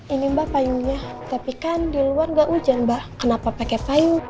ini mbak payungnya tapi kan di luar nggak hujan mbak kenapa pakai payung